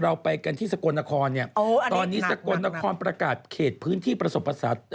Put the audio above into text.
เราไปกันที่สกลนครเนี่ยตอนนี้สกลนครประกาศเขตพื้นที่ประสบประสาท